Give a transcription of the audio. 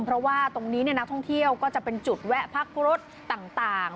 เพราะว่าตรงนี้นักท่องเที่ยวก็จะเป็นจุดแวะพักรถต่าง